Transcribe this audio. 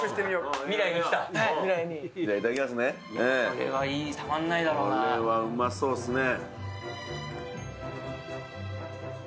これはうまそうっすね。